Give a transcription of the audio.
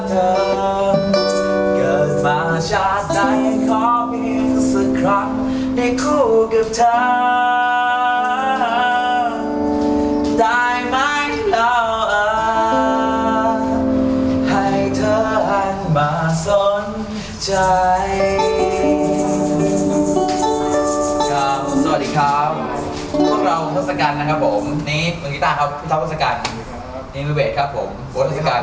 เกิดมาชาติไหนขอเพียงสักครั้งได้คู่กับเธอได้ไหมแล้วให้เธออันมาสนใจ